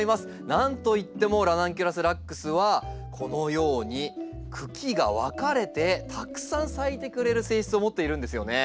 何といってもラナンキュラスラックスはこのように茎が分かれてたくさん咲いてくれる性質を持っているんですよね。